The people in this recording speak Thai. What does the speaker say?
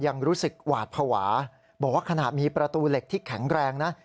ยังรู้สึกหวาดภาวะบอกว่าขณะมีประตูเหล็กที่แข็งแรงนะ